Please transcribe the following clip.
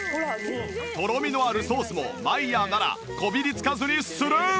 とろみのあるソースもマイヤーならこびりつかずにスルン！